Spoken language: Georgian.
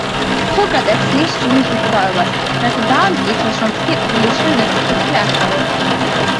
სოკრატე ხსნის სულის უკვდავებას, რათა დაამტკიცოს, რომ სიკვდილის შემდეგ სიცოცხლე არსებობს.